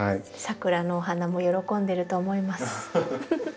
サクラのお花も喜んでると思います。